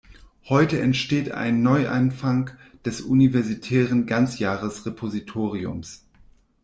Heute entsteht ein Neuanfang des universitären Ganzjahresrepositoriums.